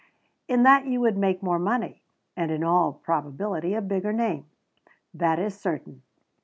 In that you would make more money, and, in all probability, a bigger name. That is certain.